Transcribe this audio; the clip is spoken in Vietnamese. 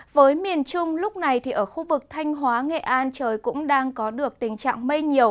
với miền trung lúc này thì ở khu vực thanh hóa nghệ an trời cũng đang có được tình trạng mây nhiều